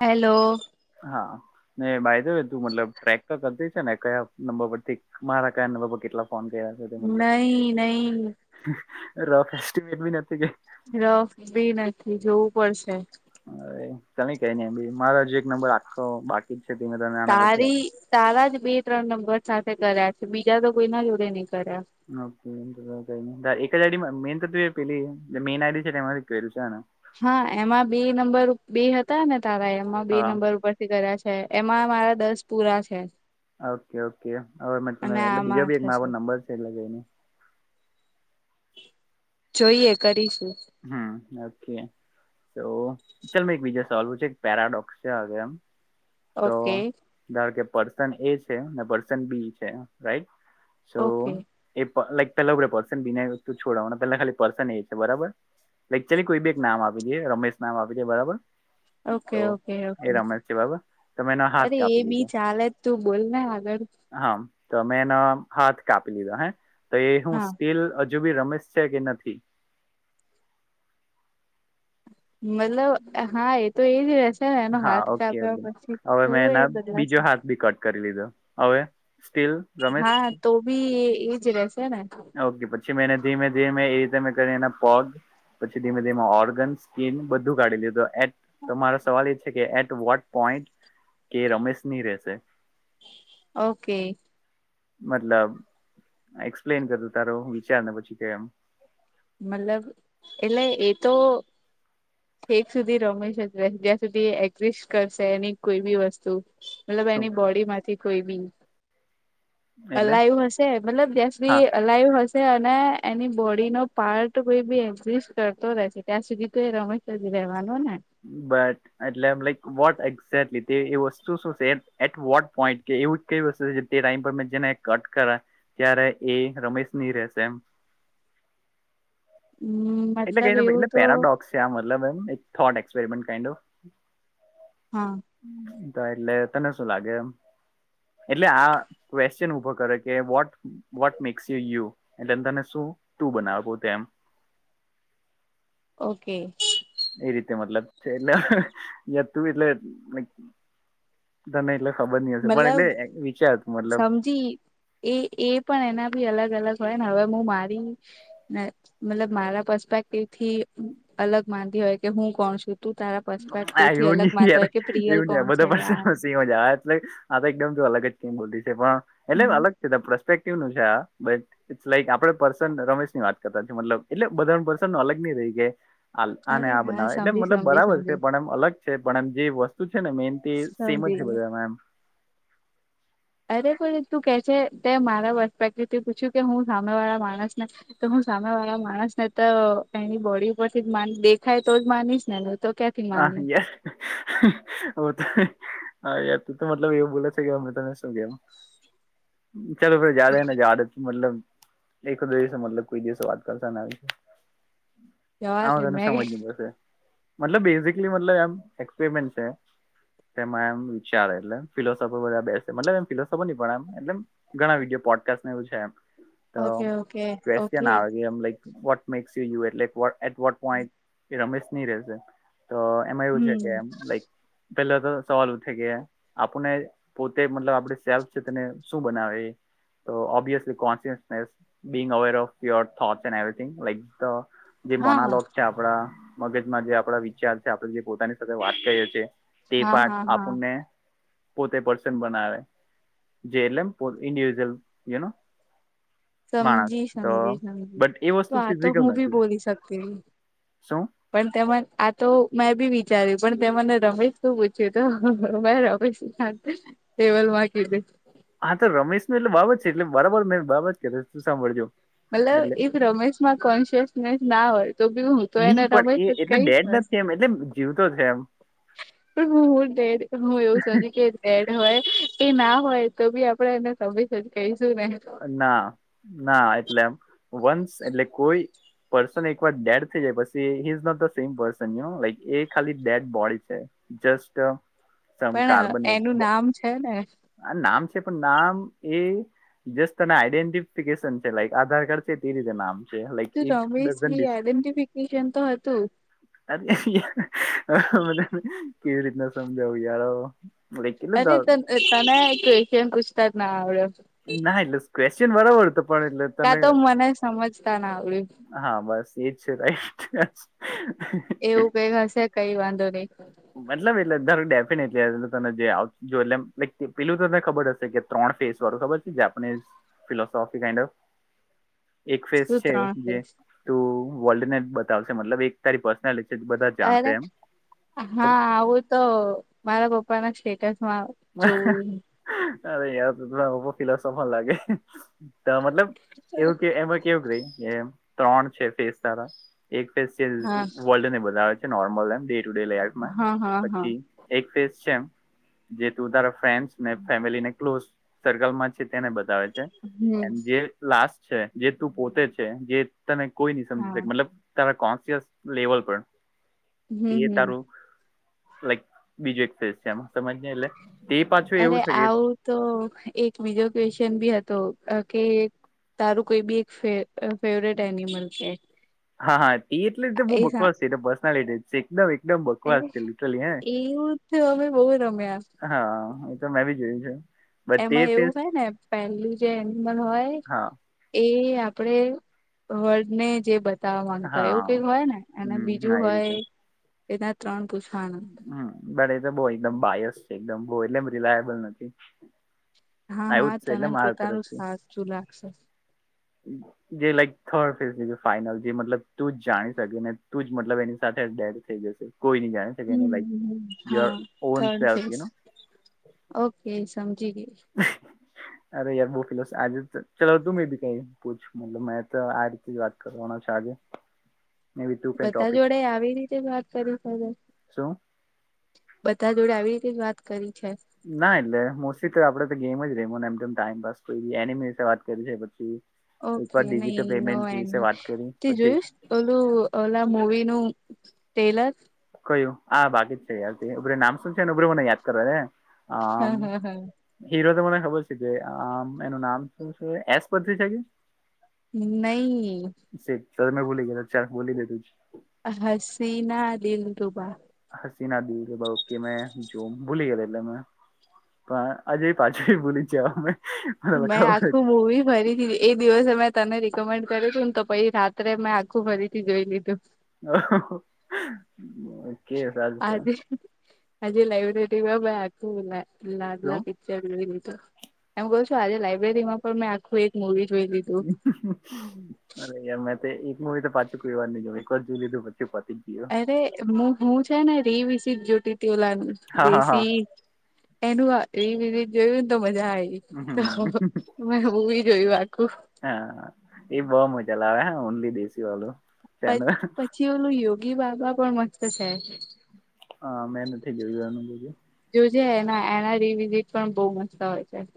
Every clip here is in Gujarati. હેલો. હા ને ભાઈ તો તું મતલબ ટ્રેક કરતી છે ને કયા નંબર પરથી મારા કારને બાબા કેટલા ફોનયા નહી નહી [unintelligible] રફ બી નથી જોવું પડશે? અ કલી કઈ નઈ ભ મારા જે એક નંબર આખો બાકી કષ [inaudible] તારી તારા જ બે ત્રણ નંબર સાથે કર્યા છે બીજા તો કોઈ ના જોડે નહી કર્યા. ઓ એક જ આઇડી મેન તો તું પેલી મેન આઇડી ટાઈ પ છે. હા એમાં બે નંબર બે હતા ને તારા એમાં બે હા નંબર ઉપર કર્યા છે. એમાં મારા દસ પૂરા છે. ઓકે ઓકે હવે મે અને એટલે બીજો આમાં બી આઠ એક મારો હશે નંબર છે એટલે જઈને જોઈએ કરીશું. હમ ઓકે, તો ચાલ મેં એક બીજા સવાલ પૂછે? પેરાડોક્સ છે, હગ એમ-' તો ઓકે ધાર કે પર્સન એ છે ને પર્સન બી છે રાઈટ.? તો ઓકે એ લાઈક પેલા પડશેને બી નૈ તું છોડાવ પેલા ખાલી પર્સન એક છે, બરાબર લાય ચલ કોઈ બી એક નામ આપી દઈએ રમેશ નામ આપી દે બરાબર ઓકે તો ઓકે એ ઓકે રમત છે બરાબર તમે એનો હાથ અરે એ કાપી બી લીજો ચાલે જ તું બોલ ને આગળ હા તો મેં એનો હાથ કાપી લીધો હે તો એ હું હા સ્ટીલ હજુ બી રમેશ છે કે નથી.? મતલબ [unintelligible] હા એ તો એજ રહેશે ને એનો હા હાથ ઓકે કાપ્યા ઓકે પછી હવે મેં થોડો એ એના બદલાશે બીજો હાથ બી કટ કરી લીધો હવે સ્ટીલ રમેશ હા તો ભી એજ રેશે ને? ઓકે પછી મેંને ધીમે ધીમે એ રીતે મેં કરી એના પગ પછી ધીમે ધીમે ઓર્ગન સ્કીિન બધું કાઢી લીધું એ તમારો સવાલ એ છે કે એટ વોટ પોઈન્ટ કે રમેશની રહેશે. ઓકે! મતલબ એક્સપ્લેન કર તારો વિચાર ને પછી કેમ? મતલબ એટલે એ તો એક સુધી રમેશ જ જ્યાં સુધી એક્સિ કરશે એની કોઈ બી વસ્તુ. મતલબ શું એની બોડી માંથી કોઈ બી હ એટલે અલાય હશે મતલબ ગેસ હા બી અલાયુ હશે અને એની બોડીનો પાર્ટ કોઈ બી એક્ઝિસ્ટ કરતો રહેશે ત્યાં સુધી તો એ રમેશ જ રહેવાનો ને? બટ, એટલે લક વોટ એક્ઝેક વત શું છે વોટ પોઈન્ટ કે એવું? કવી વસ્તુ તે ટાઈમ પર મે જેને કટ કર ત્યારે એ રમેશ ની રહેશે એમ હમ એટલે ક મતલબ એવું એટલે તો પેરાડોક્સ છે મતલબથોટ [inaudible] કાઈન્ડ ઓફ હા તો એટલે તને શું લાગે એમ? એટલે આ ક્વેશ્ચન ઉભો કરે કે what? What makes you you એટલે તને શું તું બનાવે પોતે એમ. ઓકે એ રીતે મતલબ છે એટલે જ હતું એટલે? તને એટલે ખબર ની હશે પણ એટલે વિચાર મતલબ જી એ એ પણ એના ભી અલગ અલગ હોય ને હવે હું મારી મતલબ મારા પરસ્પેક્ટિવથી અલગ માતી હોય કે હું કોણ છું તું તારા પસ્પેક્ટિવ હા થી એવું અલગ માનતો હોય કે પ્રિયલ કોણ છે યાર? મજા એટલે આ તો એકદમ અલગ જ કેમ બોલતી છે પણ એટલે અલગ પરસ્પેક્ટિવ નું છે આ બેય ઇટ્સ લાઈક આપણે પર્સન રમેશ ની વાત કરતાએ મતલબ એટલે બધા પર્સન ન અલગ નહ રહી ગ આને અરે આ હા બનાવે એટલે સમજી મતલબ સમજી બરાબર સમજી છે અલગ છે પણ એમ જે વસ્તુ છે ને મેન સેમ જ સમજી બધમ અરે પણ તું કે છે તે મારા પરસ્પેક્ટિવ થી પૂછ્યું કે હું સામે વાળા માણસ ને તો હું સામે વાળા માણસ ને તો એની બોડી ઉપર થી જ મા દેખાય તો જ માનીશ ને તો ક હા એ હ તો હા યાર ત તો મતલબ એવું બોલે છે કે અમે તને શું કેમ ચાલો ફે જદને જદ મતલબ િવ મતલબ કોઈ દિવસે વાત કરતા આવી જવા હ દે તને મેં સમજ જશે મતલબ બેસિકલી મતલબ એક્સપેરિમેન્ટ છે એમાં એમ વિચારે એટલે ફિલોસોફર બધા બેસે મતલબ એમ ફિલોસોફર પણ એ એ ઘણા વિડીયો પોડકાસ્ટ એવું છે એમ ઓકે ઓકે ઓકે તોયન આવે કેમ વોટ મેક્સ યુ યુ એટલે એટ વટ પોઈન્ટ રમેશ નહી રહેશે તો એમાં એવું છે કે હમ એમ લાઈક પેલા તો સવાલ ઉઠે કે આપને પોતે મતલબ આપણે સેલ્ફ છે તેને શું બનાવે તો ઓ કોસસ બ અવેર ઓફ ર થટ એન્ડવ લક જે હા મોનાલોક છે આપણા મગજમાં જે આપણા વિચાર છે આપણે જે પોતાની સાથે વાત કરીએ છીએ તે હા પાઠ હા હા આપૂરને પોતે પર્સન બનાવે જે એટલે ઇન્ડિવિજુઅલ યુ માણસ સમજી તો સમજી સમજી બટ એ તો વસ્તુ આતો ફિઝિકલ હું ભી નથી બોલી શકતી હ શું પણ તે આ તો મેં બી વિચાર્યું પણ તે મને રમેશ શું પૂછ્યું તો રમેશ હ દેવલ માકી હા તો રમેશ ન એટલે બાબત છે એટલે બરાબર મેં બારબર કર સાંભળજો મતલબ એટલે એ રમેશમાં કોન્શિયસનેસ ના હોય તો બી તો નઈ એને પણ રમેશ એ જ એટલે કહીશ ડેડ ને નથી એમ એટલે જીવતો છે એમ પણ હું હું ડેડ હું એવું છે કે બેડ હોય એ ના હોય તો બી આપડે એને તમે જ કહીશું ને ના ના એટલેમ વંશ એટલે કોઈ પર્સન એક વાર ડેડ થઈ જાય પછી he's not the same person લ એ ખાલી ડેડ બોડી છે જસ્ટ સમ પણ એનું કાર્બનેટ નામ છે ને આ નામ છે પણ નામ એ જસ તને આઈડેન્ટિફિકેશન છે લાઈક આધાર કાર્ડ છે તે રીતે નામ છે like it Ramesh doesn't identification તો હતું અત અ તને કેવી રીતના સમજાવું યારો અરે તને કે છેમ પૂછતા ના આવડ્યો ના એટલે કવેશ્ચન બરાબર તો પણે એટલે કા તને તો મને સમજતા ના આવડ્યું હા બસ એ જ રાઈટ એવું કઈ હશે કઈ વાંધો નહી મતલબ એટલેાર ડેફિનેટલી તને આવ એ પેલું તને ખબર હશે કે ત્રણ ફેસ વાળું ખબર છે જાપનીઝ ફિલોસોફી કન્ડ ઓફ [inaudible] એક ફેસ છે ત્રણ જે ફેસ તું વર્લ્ડ ને બતાવશે મતલબ એક તારી પર્સનાલિટી છે બધા અરે જાણશે એમ ખબર હા આવું તો મારા પપ્પા ના સ્ટેટસ માં અરે તરા ઉપ ફ સફન લાગે મતલબ એવું કે એમાં કેવું ક ત્રણ છે ફેસ સારા એક હા વલ્ને બધ છે નોર્મલ એ ડે ટુ ડે લફ હા હા હા પછી એક ફેઝ છે એમ જે તું તારા ફ્રેન્ડસ ને ફેમિલીને ક્લોઝ સર્કલમાં છે તેને બતાવે છે હમ એમ જે લાસ છે જે તું પોતે છે જે તને કોઈ નહી હા સમજી મતલબ તારા કોન્શિયસ લેવલ પર એ હમ હમ તારું લાઈક બીજું એક ફેસ છે આમાં સજ એટલે તે પાછું અરે એવું છે કે આવું તો એક બીજો ક્વેશ્ચન બી હતો કે તારું કોઈ બી એક ફેવરેટ એનિમલ છે હા હા એટલે રીતે બહ એ બકવાસ છે પર્સનાલિટી એકદમ એકદમ બકવાસ અરે છે લિટલી હે એવું તો અમે બહુ રમ્યા હા એ તો મેં બી જોયું છું એમાં એવું હો ને પેલું જે એનિમલ હોય હા એ આપડે વર્ડ ને જે બ નતાય એવું હા કઈક હોય ને અને હમ બીજું હા એ હોય રીતે એના ત્રણ પૂછ. હમ બટ એ તો બહ એકદમ બાયસ છે એકદમ બહ એટલેમ રિલાયબલ નથી. હા હા આવું જ છે તને એટલે મારા પોતાનું જ સાું લાગશે હમ જે લાઈક થર્ડ ફેઝ ફાઈનલ જે મતલબ તું જ જાણી શકે ને તું જ મતલબ એની સાથે ડેડ થઈ જશે કોઈ ન જાણે છે એને લક હા on third self face okay સમજીી ગઈ અરે યાર ભો કલો આજ ચાલ તું બી કઈ પૂછલો તો આ રીતે જ વાત કરવાના છે આજે ને બી તું કઈ બધા ટોપિક જોડે આવી રીતે વાત કરી શે સો બધા જોડે આવી રીતે જ વાત કરી છે ના એટલે મોસ્ટલી તો આપડે તો ગેમ જ રેમ ને એમ ટાઈમપ એમી વિ વાત કરી છે પછી એક ઓકે વાર નહી ડિજિટલ નો પેમેન્ટ એન્ડ વિશે વાત કરી તે પછી. જોયું ઓલું ઓલા મવી નું લર. કયું આ બાકી જ છે યાારથી ઉર નામ શું છે ને ઉભર મને યાદ કરવા ને. હા હા હા. હીરો તો મને ખબર છે કે આમ એનું નામ શું છે એસ પરથી. નહી. સે ત મેં બોલી ગયા ચાર બોલીને તું. હસી ના દલ તુબા. હસીના દ કે મેં જો ભૂલી ગયા એટલે મે. પણ આજે પાછું ભૂલી છે અમે. મને મેં ખબર આખું મૂવી ભરી દીધી. એ દિવસે મેં તને રિકમેન્ડ કર્યું હતું ને તો પછી રાત્રે મેં આખું ફરીથી જોઈ લીધું. કેે છે. હજે લાઈબ્રેરીમાંાઈ આખું શું લાદલા પિક્ચરું એમ ક. આજે લાાઈબ્રેરીમાં પણ મેં આખું એક મુવી જોઈ લીધું. અરે યાર મેં તો એક મુવી તો પાછું કોઈ વાર નઈ જો એક વા જ જોું લીધું પછી પતિ. અરે હું છે ને રી વિસી જ્યોતિ ત ઓલાનું હા હા હા દેશી. એનું એ વિઝિટ જોયું ને તો મજા આવી તો હમ મે હવી જોયું આખું. હા એ બહુ મજા લાવે હ ઓનલી દેશી વાળું. પ ચેનલ પછી ઓલું યોગી બાબા પણ મસ્ત છે. હા મેં નથી ગયું એનું બજું. જોજે એના એના રીવિઝિટ પણ બઉ મસ્ત હોય. છે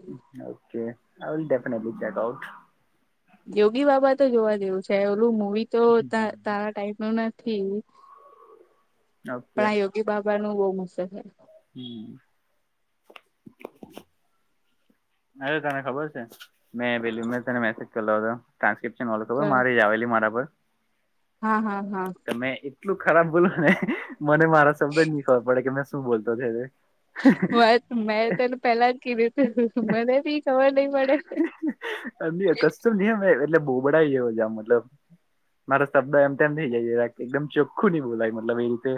okay I will definitely check out. Yogi Baba તો જોવા જેવું છે ઓલું મવી તો તારા ટાઈમ ન નથી. ઓકે પણ આ યોગી બાબા નું બહ મશે છે. હમ. અરે તને ખબર છે મેં પેલી મે તને મેસેજ કરલો હતો. [unintelligible] છે ખબર મારે એ આવેલી મારા પર હા હા હા. તમે એટલું ખરાબ બોલો ને મને મારા શબ્દ જ નહી ખબર પડે કે મેં શું બોલતો હતો. વાત મેં તને પેલા જ કીધું તું મને બી ખબર નઈ પડે. [unintelligible] જ મતલબ. મારો શબ્દ એમ તેમ થઈ જાય છે એકદમ ચોખ્ખું નની બોલાય મતલબ એ રીતે.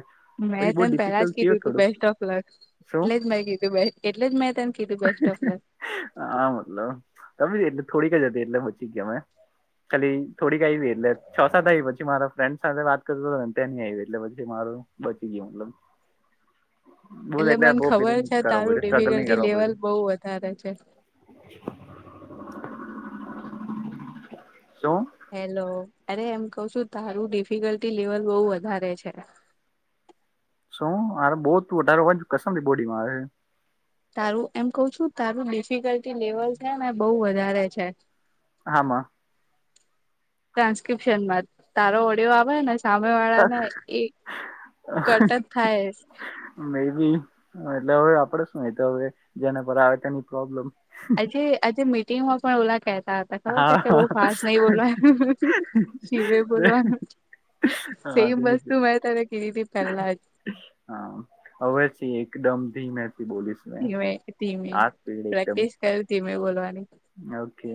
મેં પછી બહુ તને પેલા જ ડિફિકલ્ટ થયું કીધું તું થોડુંક બેસ્ટ ઓફ લક. શું એટલે જ મેં કીધું એટલે જ મે તને કીધું બેસ્ટ ઓફ. હા મતલબ તમે એટલે થોડીક જ હતી એટલે મચી ગયામે. ખાલી થોડીક આવી એટલે છ સાત આવી પછી મારા ફ્રેન્ડ સાથે વાત કરતો હતો ને ત નની આવી એટલે પછી મારું. બચી ગયો લબ એટલે મને ખબર પેલું નહી છે, કરવું તારું પડ્યું સ્ટ્રગલ નહી ડિફિકલ્ટી કરવા લેવલ પડ્યું બઉ વધારે છે. શું હેલો અરે એમ કઉ છું તારું ડિફિકલ્ટી લેવલ બઉુ વધારે છે. શું હરે બહુું વધારે વા કસમ બોડીમાં. તારું એમ કઉ છું તારું ડિફિકલ્ટી લેવલ છે ને બઉ વધારે છે. હામાં. ટ્રાન્સ્ક્રિપ્શન માં તારો ઓડિયો આવે ને. સામે વાળા ને એ ઘટત થાય. મે બી એટલે હવે આપડે શું તો હવે જેના પર તેની પ્રોબ્લેમ. આજે આજે મીટિંગમાં પણ ઓલા કહેતા હતા. ખબર છે હા કે બઉ ફાસ્ટ નઈ બોલવાનું શિવે બોલવા. હા સેમ ધીમે છે. વસ્તુ મેં તને કીધીતી પેલા જ. હા, હવે થી એકદમ ધીમેથી બોલીશ મેં ધીમે- ધીમે આ સ્પીડ એકદમ પ્રેક્ટિસ કર ધીમે બોલવાની ઓકે,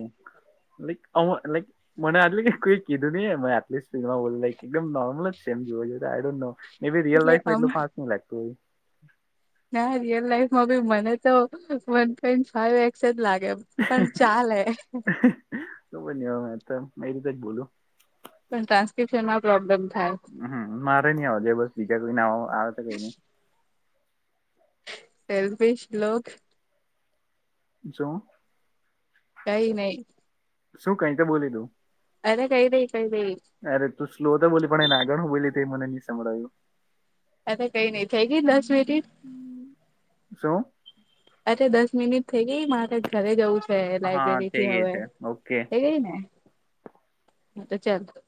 લાઈક ઓઅ લાઈક મને આટલી કોઈ કીધું નહી, મે આટલી સ્પીડમાં બોલી લાઈક એકદમ નોર્મલ જ છે એમ, જોવા જોઈએ આઇ ડોન નો એબી રીયલ એટલે લાઈફમાં આમ એટલુ ફાસ ની લાગતું હોય ના, રિયલ લાઈફમાં બી મને તો વન પોઈન્ટ ફાઈવ એક્સ જ લાગે એ [unintelligible] ખબરની અવે એતો મે એ રીતે જ બોલું પણ, ટ્રાન્સક્રિપ્શનમાં પ્રોબ્લમ થાય હ, મારે ની આવા જોયે બસ બીજા કોઈ ને આવ આવે તો કઈની સેલ્ફિશ લોક શું કઈ નઇ શું? કઈ તો બોલી તું અરે, કઈ નઇ કઈ નઇ અરે, તું સ્લો તો બોલી પણ એન આગળ હું બોયલી તે મને ની સંભળાયુ અરે, કઈ નઈ થઇ ગઈ દસ મિનિટ શું અરે, દસ મિનિટ થઈ ગઈ મારે ઘરે જવું છે. [unintelligible] હા લાઈબ્રેરીથી થઈ ગઈ હવે, છે ઓકે એ ગઈ ને હ તો ચાલ